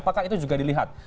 apakah itu juga dilihat